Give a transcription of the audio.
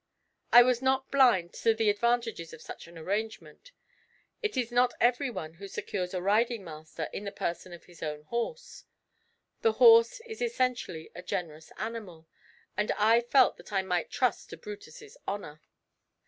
I was not blind to the advantages of such an arrangement. It is not every one who secures a riding master in the person of his own horse; the horse is essentially a generous animal, and I felt that I might trust to Brutus's honour.